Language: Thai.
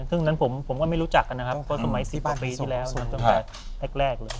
ซึ่งนั้นผมก็ไม่รู้จักกันนะครับเพราะสมัย๑๐กว่าปีที่แล้วตั้งแต่แรกเลย